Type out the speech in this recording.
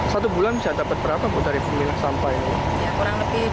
satu bulan bisa dapat berapa bu dari pemilik sampah ini